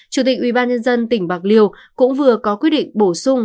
chủ tịch ubnd tỉnh bạc liêu cũng vừa có quyết định bổ sung